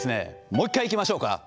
もう一回いきましょうか。